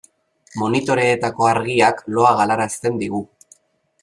Monitoreetako argiak loa galarazten digu.